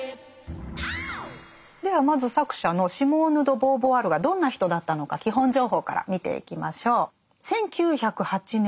ではまず作者のシモーヌ・ド・ボーヴォワールがどんな人だったのか基本情報から見ていきましょう。